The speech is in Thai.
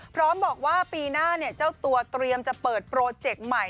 พร้อมบอกว่าปีหน้าเจ้าตัวเตรียมจะเปิดโปรเจกต์ใหม่